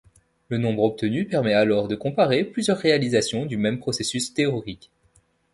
Le nombre obtenu permet alors de comparer plusieurs réalisations du même processus théorique.